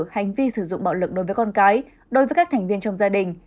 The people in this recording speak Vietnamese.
hành vi sử dụng bạo lực đối với con cái đối với các thành viên trong gia đình